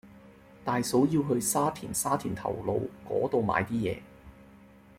大嫂要去沙田沙田頭路嗰度買啲嘢